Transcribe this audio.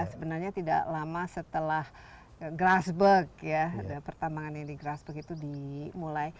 sebenarnya tidak lama setelah grasberg ya pertambangan yang di grasberg itu dimulai